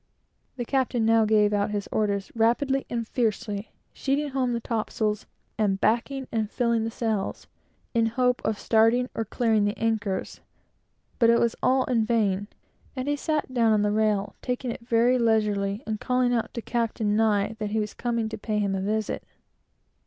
The captain now gave out his orders rapidly and fiercely, sheeting home the topsails, and backing and filling the sails, in hope of starting or clearing the anchors; but it was all in vain, and he sat down on the rail, taking it very leisurely, and calling out to Captain Nye, that he was coming to pay him a visit.